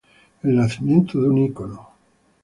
El nacimiento de un icono".